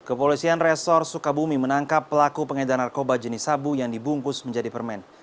kepolisian resor sukabumi menangkap pelaku pengedar narkoba jenis sabu yang dibungkus menjadi permen